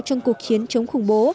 trong cuộc chiến chống khủng bố